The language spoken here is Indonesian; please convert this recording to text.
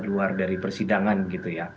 ini adalah hal hal dari persidangan gitu ya